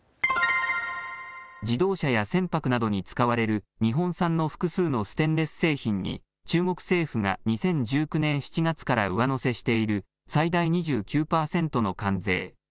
自動車や船舶などに使われる日本産の複数のステンレス製品に中国政府が２０１９年７月から上乗せしている最大２９％の関税。